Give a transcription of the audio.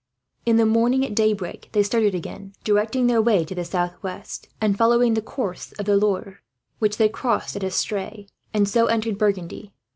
In the morning at daybreak they started again, directing their way to the southwest, and following the course of the Loire; which they crossed at Estree, and so entered Burgundy.